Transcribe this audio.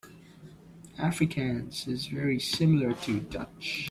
Afrikaans is very similar to Dutch.